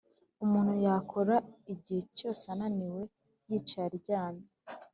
umuntu yakora igihe cyose, ananiwe, yicaye, aryamye